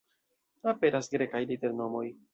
Aperas Grekaj liternomoj.